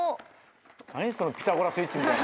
何そのピタゴラスイッチみたいな。